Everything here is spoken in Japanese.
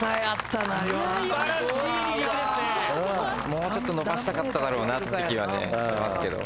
もうちょっとのばしたかっただろうなって気はねしますけど。